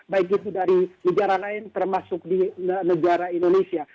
baik itu dari negara lain termasuk di negara indonesia